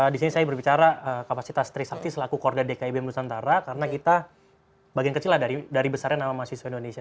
di sini saya berbicara kapasitas trisakti selaku korda dki benusantara karena kita bagian kecil lah dari besarnya nama mahasiswa indonesia